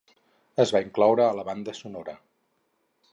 Es va incloure a la banda sonora.